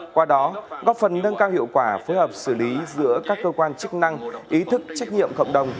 qua đó góp phần nâng cao hiệu quả phối hợp xử lý giữa các cơ quan chức năng ý thức trách nhiệm cộng đồng